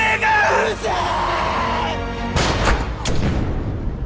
うるせえ！